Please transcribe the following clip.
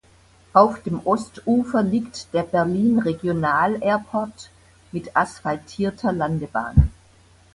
Auf dem Ostufer liegt der Berlin Regional Airport mit asphaltierter Landebahn.